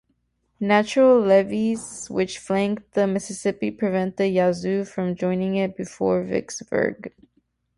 Natural levees which flank the Mississippi prevent the Yazoo from joining it before Vicksburg.